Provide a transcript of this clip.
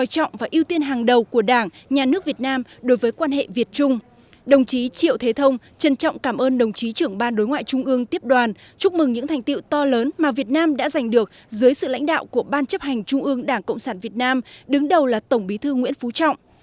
đồng chí triệu thế thông trân trọng cảm ơn đồng chí trưởng ban đối ngoại trung ương tiếp đoàn chúc mừng những thành tiệu to lớn mà việt nam đã giành được dưới sự lãnh đạo của ban chấp hành trung ương đảng cộng sản việt nam đứng đầu là tổng bí thư nguyễn phú trọng